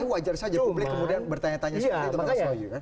wajar saja publik kemudian bertanya tanya seperti itu